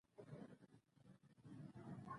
په دې حالت کې يې خپلې خبرې بېرته را پيل کړې.